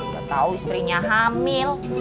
gak tau istrinya hamil